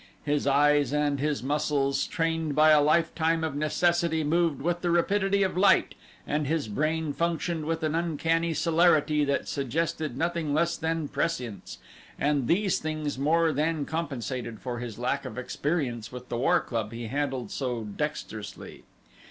His eyes and his muscles trained by a lifetime of necessity moved with the rapidity of light and his brain functioned with an uncanny celerity that suggested nothing less than prescience, and these things more than compensated for his lack of experience with the war club he handled so dexterously.